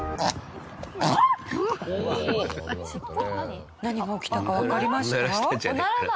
何が起きたかわかりました？